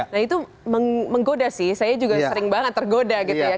nah itu menggoda sih saya juga sering banget tergoda gitu ya